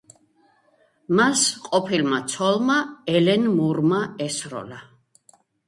მას ყოფილმა ცოლმა, ელენ მურმა ესროლა.